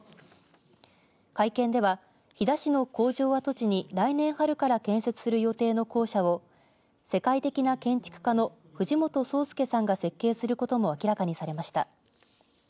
会見では飛騨市の工場跡地に来年春から建設する予定の校舎を世界的な建築家の藤本壮介さんが設定することも明らかにされました。